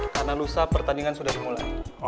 karena lusa pertandingan sudah semula